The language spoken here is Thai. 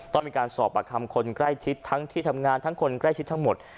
ต้องมีการสอบประคำคนใกล้ชิดทั้งที่ทำงานทั้งคนใกล้ชิดทั้งหมด